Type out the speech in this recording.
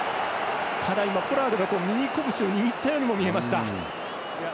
ただ、今、ポラードが握り拳を握ったようにも見えました。